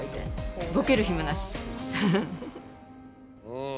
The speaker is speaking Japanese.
うん！